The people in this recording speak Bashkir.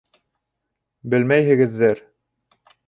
Белмәйһегеҙҙер!